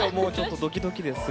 ドキドキです。